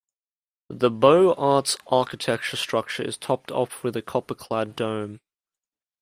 The Beaux-Arts architecture structure is topped off with a copper clad dome.